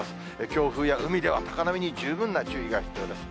強風や、海では高波に十分な注意が必要です。